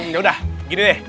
yaudah gini deh